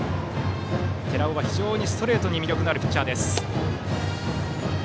寺尾は非常にストレートに魅力のあるピッチャーです。